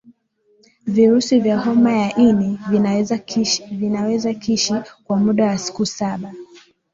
virusi vya homa ya ini vinaweza kishi kwa muda wa siku saba